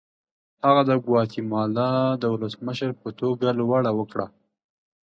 هغه د ګواتیمالا د ولسمشر په توګه لوړه وکړه.